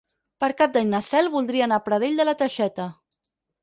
Per Cap d'Any na Cel voldria anar a Pradell de la Teixeta.